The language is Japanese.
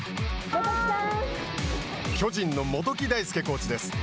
巨人の元木大介コーチです。